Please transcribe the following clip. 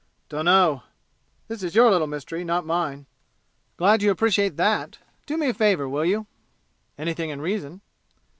"Dunno! This is your little mystery, not mine!" "Glad you appreciate that! Do me a favor, will you?" "Anything in reason."